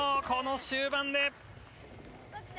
この終盤で。